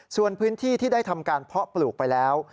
ส่วนพื้นที่ที่ได้ทำการเพาะปลูกไปแล้ว